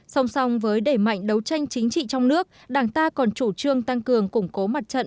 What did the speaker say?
song song với đẩy mạnh đấu tranh chính trị trong nước đảng ta còn chủ trương tăng cường củng cố mặt trận